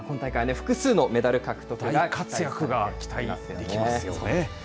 今大会複数のメダル獲得が期待できますね。